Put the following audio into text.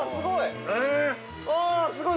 すごい！